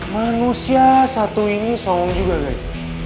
manusia satu ini sombong juga guys